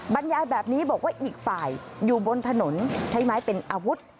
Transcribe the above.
บรรยายแบบนี้บอกว่าอีกฝ่ายอยู่บนถนนใช้ไม้เป็นอาวุธ